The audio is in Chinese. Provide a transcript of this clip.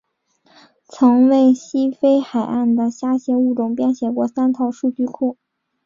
曾为西非海岸的虾蟹物种编写过三套数据库。